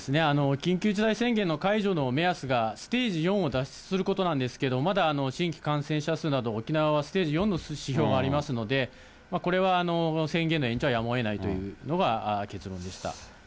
緊急事態宣言の解除の目安がステージ４を脱出することなんですけど、まだ新規感染者数など沖縄はステージ４の指標がありますので、これは宣言の延長はやむをえないというのが結論でした。